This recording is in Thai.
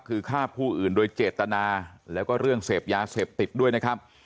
คือฆ่าผู้อื่นโดยเจตนาแล้วก็เรื่องเสพยาเสพติดด้วยนะครับ